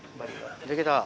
できた。